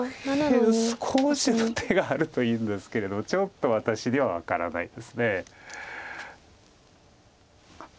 左辺少しの手があるといいんですけれどもちょっと私には分からないです。